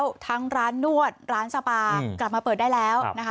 แล้วทั้งร้านนวดร้านสปากลับมาเปิดได้แล้วนะคะ